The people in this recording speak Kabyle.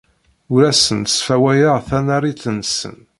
Ur asent-sfawayeɣ tanarit-nsent.